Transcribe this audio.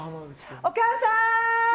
お母さん！